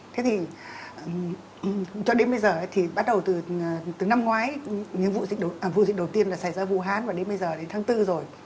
thế thì cho đến bây giờ thì bắt đầu từ năm ngoái những vụ dịch đầu tiên là xảy ra ở vũ hán và đến bây giờ đến tháng bốn rồi